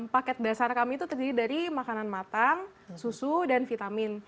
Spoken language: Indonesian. paket dasar kami itu terdiri dari makanan matang susu dan vitamin